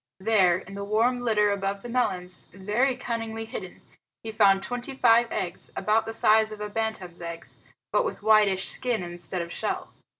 There, in the warm litter above the melons, very cunningly hidden, he found twenty five eggs, about the size of a bantam's eggs, but with whitish skin instead of shell.